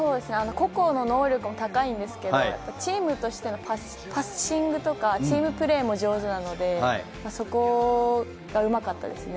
個々の能力も高いんですけど、チームとしてパッシングとかチームプレーも上手なので、そこがうまかったですね。